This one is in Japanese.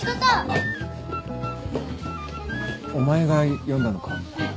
あっお前が呼んだのか？